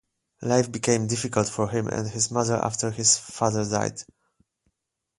Life became difficult for him and his mother after his father died.